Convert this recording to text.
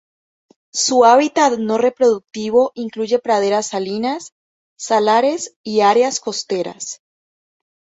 Su hábitat no reproductivo incluye praderas salinas, salares y áreas costeras.